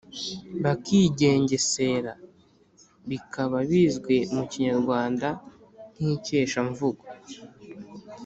bakigengesera, bikaba bizwi mu Kinyarwanda nk’Ikeshamvugo.